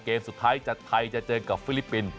เกมสุดท้ายไทยจะเจอกับฟิลิปปินส์